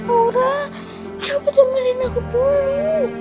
aura coba dengerin aku dulu